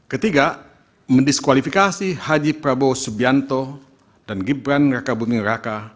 ketiga mendiskualifikasi haji prabowo subianto dan gibran raka buming raka